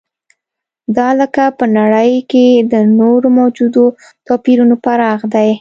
دا لکه په نړۍ کې د نورو موجودو توپیرونو پراخ دی.